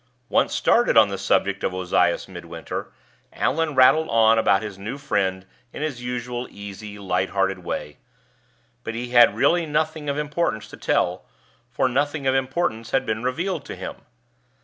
Once started on the subject of Ozias Midwinter, Allan rattled on about his new friend in his usual easy, light hearted way. But he had really nothing of importance to tell, for nothing of importance had been revealed to him.